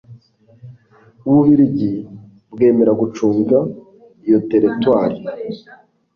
ububiligi bwemera gucunga iyo teritwari